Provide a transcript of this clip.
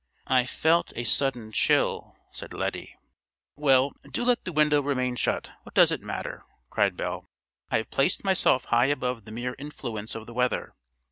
"I felt a sudden chill," said Lettie. "Well, do let the window remain shut; what does it matter?" cried Belle. "I have placed myself high above the mere influence of the weather.